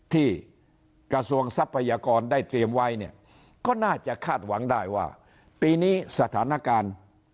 ที่กระทรวงทรัพยากรได้เตรียมไว้เนี่ยก็น่าจะคาดหวังได้ว่าปีนี้สถานการณ์